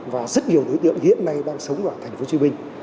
và rất nhiều đối tượng hiện nay đang sống ở thành phố hồ chí minh